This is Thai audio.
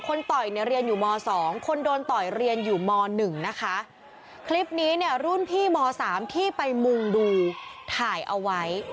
ต่อยเนี่ยเรียนอยู่มสองคนโดนต่อยเรียนอยู่มหนึ่งนะคะคลิปนี้เนี่ยรุ่นพี่มสามที่ไปมุ่งดูถ่ายเอาไว้